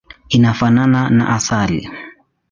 Inafanana na asali.